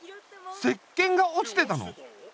石けんが落ちてたの？